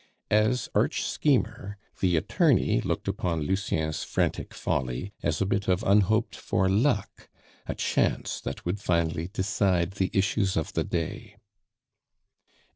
As arch schemer, the attorney looked upon Lucien's frantic folly as a bit of unhoped for luck, a chance that would finally decide the issues of the day.